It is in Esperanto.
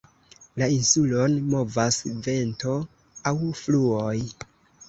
La insulon movas vento aŭ fluoj.